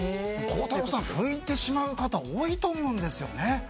孝太郎さん、拭いてしまう方多いと思うんですね。